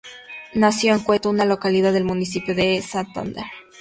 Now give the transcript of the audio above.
Nació en Cueto, una localidad del municipio de Santander.